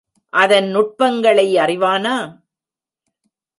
அதன் நுட்பங்களை அறிவானா?